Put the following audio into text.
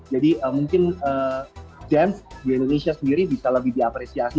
jadi mungkin dance di indonesia sendiri bisa lebih diapresiasi